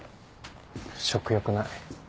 食欲ない。